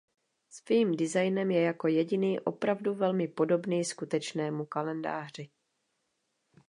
Svým designem je jako jediný opravdu velmi podobný skutečnému kalendáři.